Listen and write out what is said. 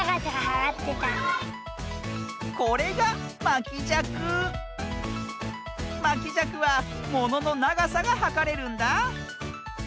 まきじゃくはもののながさがはかれるんだ。